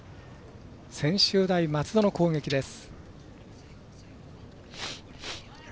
専修大松戸の攻撃です。